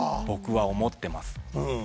僕は思ってます。